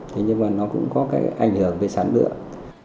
thế nhưng mà nó cũng có cái ảnh hưởng về sản lượng